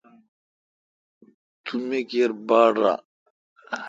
تو می کیر باڑ ران۔